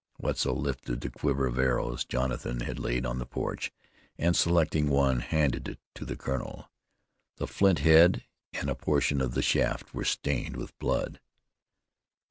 Wetzel lifted the quiver of arrows Jonathan had laid on the porch, and, selecting one, handed it to the colonel. The flint head and a portion of the shaft were stained with blood.